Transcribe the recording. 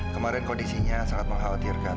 kemarin kondisinya sangat mengkhawatirkan